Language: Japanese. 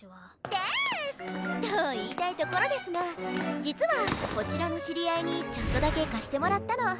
デース！と言いたいところですが実はこちらの知り合いにちょっとだけ貸してもらったの。